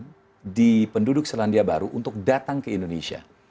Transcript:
harus ada demand di penduduk selandia baru untuk datang ke indonesia